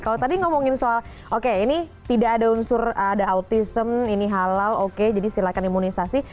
kalau tadi ngomongin soal oke ini tidak ada unsur ada autism ini halal oke jadi silakan imunisasi